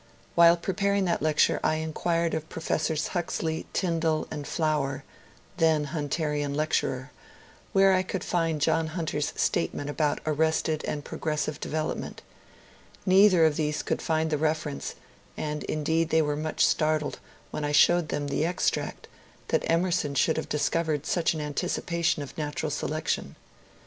While preparing that lecture I inquired of Professors Huxley, Tyndall, and Flower (then Hunterian lecturer) where I could find John Hunter's statement about "arrested and progressive development" Neither of these could find the reference, and indeed they were much startled, when I showed them the extract, that Emerson should have discovered such an anticipation of Natural Selection.